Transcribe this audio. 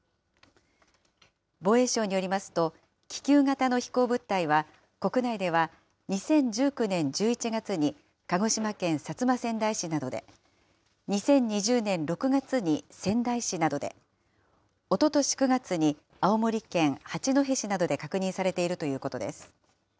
防衛省によりますと、気球型の飛行物体は国内では２０１９年１１月に、鹿児島県薩摩川内市などで、２０２０年６月に仙台市などで、おととし９月に青森県八戸市などで確認されているということです。